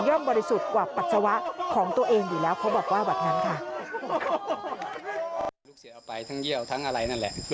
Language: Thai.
ย่อมบริสุทธิ์กว่าปัสสาวะของตัวเองอยู่แล้ว